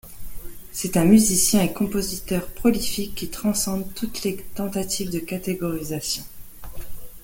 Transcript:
C'est un musicien et compositeur prolifique qui transcende toutes les tentatives de catégorisation.